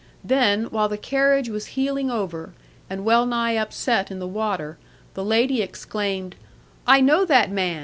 Then, while the carriage was heeling over, and well nigh upset in the water, the lady exclaimed, "I know that man!